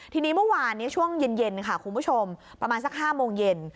ทีนี้เมื่อวานนี้ช่วงเย็นค่ะคุณผู้ชมประมาณสัก๕โมงเย็น